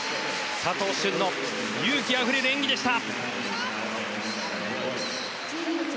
佐藤駿の勇気あふれる演技でした。